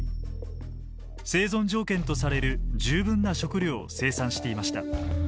生存条件とされる十分な食料を生産していました。